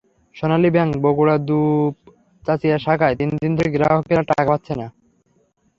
সোনালী bank বগুড়ার দুপচাঁচিয়া শাখায় তিন দিন ধরে গ্রাহকেরা টাকা পাচ্ছেন না।